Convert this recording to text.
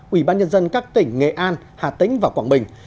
ủy ban nhân dân các tỉnh nghệ an hà tĩnh và quảng bình